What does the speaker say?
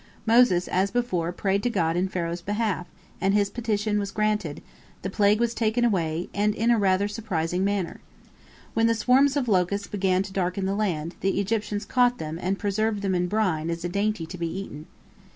Moses, as before, prayed to God in Pharaoh's behalf, and his petition was granted, the plague was taken away, and in a rather surprising manner. When the swarms of locusts began to darken the land, the Egyptians caught them and preserved them in brine as a dainty to be eaten.